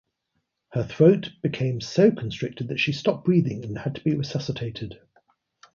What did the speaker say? Her throat became so constricted that she stopped breathing and had to be resuscitated.